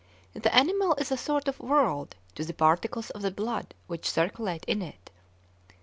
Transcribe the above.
The animal is a sort of 'world' to the particles of the blood which circulate in it.